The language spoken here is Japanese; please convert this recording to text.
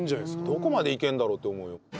どこまでいけるんだろうって思うよ。